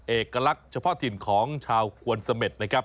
เอกลักษณ์เฉพาะถิ่นของชาวควนเสม็ดนะครับ